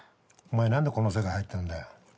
お前何でこの世界入ったんだよ。